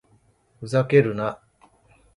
ふざけるな